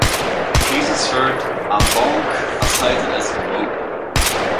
Cases heard en banc are cited as Mo.